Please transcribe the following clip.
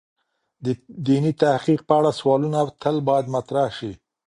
د دیني تحقیق په اړه سوالونه تل باید مطرح شی.